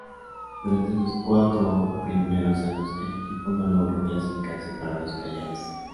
Durante sus cuatro primeros años el equipo no logró clasificarse para los playoff.